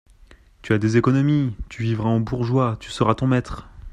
Tu as des économies : tu vivras en bourgeois, tu seras ton maître.